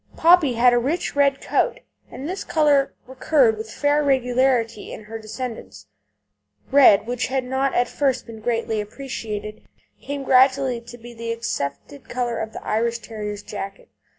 Poppy had a rich red coat, and this colour recurred with fair regularity in her descendants. Red, which had not at first been greatly appreciated, came gradually to be the accepted colour of an Irish Terrier's jacket.